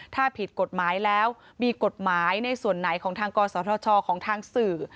ถ้าผิดกฎหมายแล้วมีกฎหมายในส่วนไหนของทางกศธชของทางสื่อ